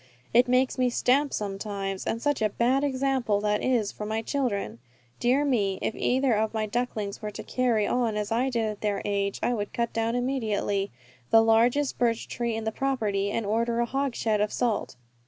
It makes me stamp sometimes, and such a bad example that is for my children. Dear me, if either of my ducklings were to carry on as I did at their age, I would cut down immediately the largest birch tree on the property, and order a hogshead of salt.